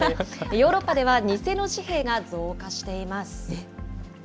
ヨーロッパでは、偽の紙幣が増加しています。